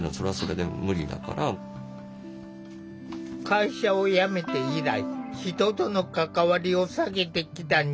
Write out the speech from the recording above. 会社を辞めて以来人との関わりを避けてきた新田さん。